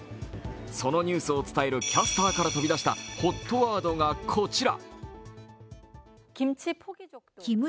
そのニュースを伝えるキャスターから飛び出したＨＯＴワードがこちら。